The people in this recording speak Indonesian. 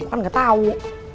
kan nggak tahu